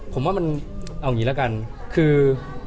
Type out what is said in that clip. ผมว่ามันเอาอย่างนี้ละกันคือ